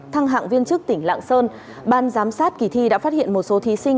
thăng hạng viên chức tỉnh lạng sơn ban giám sát kỳ thi đã phát hiện một số thí sinh